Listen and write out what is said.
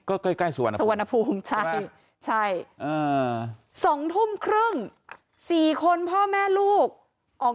ก็ใกล้สุวรรณภูมิใช่๒ทุ่มครึ่ง๔คนพ่อแม่ลูกออก